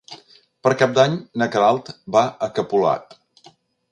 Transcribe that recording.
Per Cap d'Any na Queralt va a Capolat.